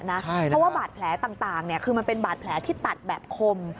เพราะว่าบาดแผลต่างคือมันเป็นบาดแผลที่ตัดแบบคม